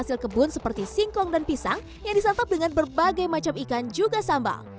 hasil kebun seperti singkong dan pisang yang disantap dengan berbagai macam ikan juga sambal